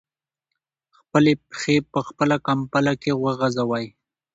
خپلې پښې په خپله کمپله کې وغځوئ.